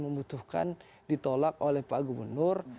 membutuhkan ditolak oleh pak gubernur